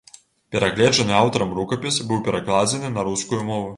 Перагледжаны аўтарам рукапіс быў перакладзены на рускую мову.